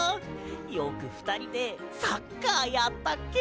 よくふたりでサッカーやったっけ。